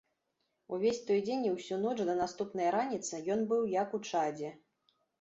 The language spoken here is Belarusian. Увесь той дзень і ўсю ноч да наступнай раніцы ён быў як у чадзе.